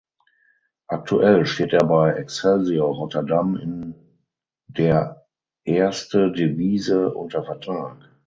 Aktuell steht er bei Excelsior Rotterdam in der Eerste Divisie unter Vertrag.